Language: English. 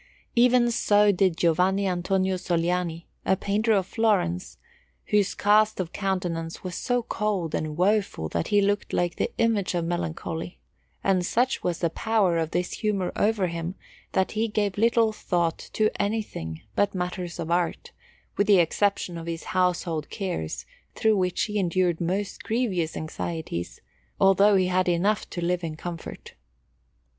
Even so did Giovanni Antonio Sogliani, a painter of Florence, whose cast of countenance was so cold and woeful that he looked like the image of melancholy; and such was the power of this humour over him that he gave little thought to anything but matters of art, with the exception of his household cares, through which he endured most grievous anxieties, although he had enough to live in comfort.